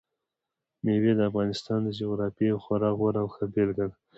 مېوې د افغانستان د جغرافیې یوه خورا غوره او ښه بېلګه ده.